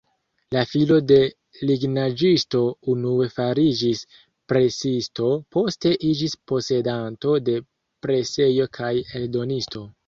La filo de lignaĵisto unue fariĝis presisto, poste iĝis posedanto de presejo kaj eldonisto.